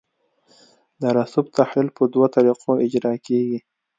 د رسوب تحلیل په دوه طریقو اجرا کیږي